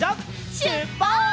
しゅっぱつ！